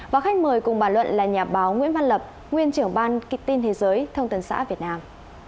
và khách mời cùng bàn luận là nhà báo nguyễn văn lập nguyên trưởng ban kịch tin thế giới thông tần xã việt nam